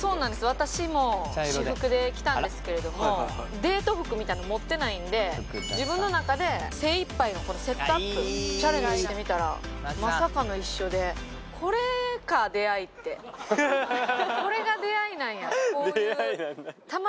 私も私服で来たんですけれどもデート服みたいの持ってないんで自分の中で精いっぱいのセットアップチャレンジしてみたらまさかの一緒でこれが出会いなんやこういう出会いなんだ